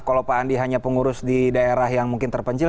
kalau pak andi hanya pengurus di daerah yang mungkin terpencil